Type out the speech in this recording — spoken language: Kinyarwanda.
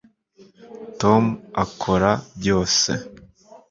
tom akora byose